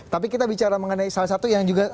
tapi kita bicara mengenai salah satu yang juga